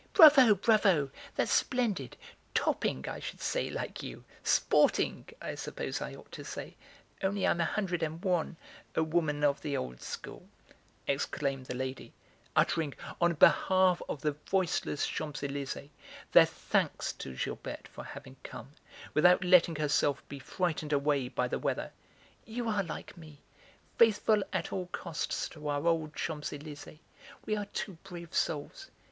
"Bravo! bravo! that's splendid; 'topping,' I should say, like you 'sporting,' I suppose I ought to say, only I'm a hundred and one, a woman of the old school," exclaimed the lady, uttering, on behalf of the voiceless Champs Elysées, their thanks to Gilberte for having come, without letting herself be frightened away by the weather. "You are like me, faithful at all costs to our old Champs Elysées; we are two brave souls!